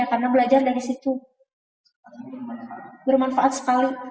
karena belajar dari situ bermanfaat sekali